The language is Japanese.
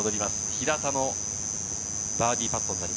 平田のバーディーパット。